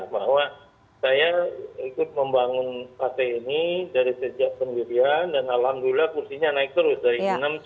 bahwa saya ikut membangun partai ini dari sejak pendirian dan alhamdulillah kursinya naik terus dari enam sembilan